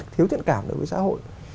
thiếu thiện cảm đối với xã hội